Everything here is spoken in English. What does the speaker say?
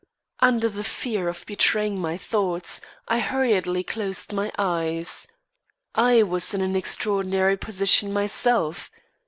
Under the fear of betraying my thoughts, I hurriedly closed my eyes. I was in an extraordinary position, myself.